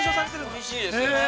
◆おいしいですよ。